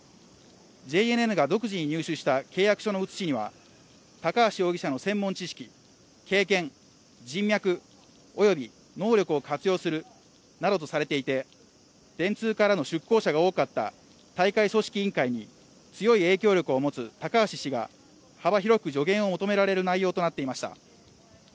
ＪＮＮが独自に入手した契約書の写しには高橋容疑者の専門知識経験、人脈および能力を活用するなどとされていて電通からの出向者が多かった大会組織委員会に強い影響力を持つ高橋氏が幅広く助言を求められる内容となっていました。